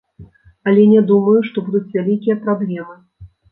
Але не думаю, што будуць вялікія праблемы.